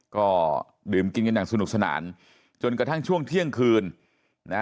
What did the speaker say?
ก็ดื่มกินกันอย่างสนุกสนานจนกระทั่งช่วงเที่ยงคืนนะ